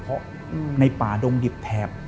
เพราะในป่าดงดิบแถบ